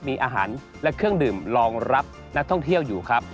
มีอาหารและเครื่องดื่มรองรับนักท่องเที่ยวอยู่ครับ